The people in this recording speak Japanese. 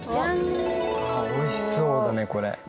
あっおいしそうだねこれ。